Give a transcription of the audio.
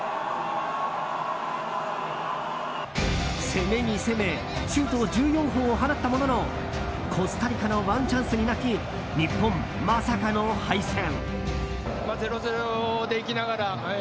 攻めに攻めシュート１４本を放ったもののコスタリカのワンチャンスに泣き日本まさかの敗戦。